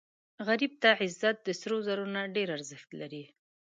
غریب ته عزت د سرو زرو نه ډېر ارزښت لري